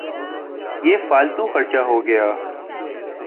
یہ فالتو خرچہ ہو گیا۔